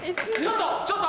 ちょっと！